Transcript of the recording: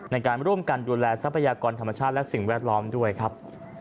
ในการร่วมกันดูแลทรัพยากรธรรมชาติและสิ่งแวดล้อมด้วยครับ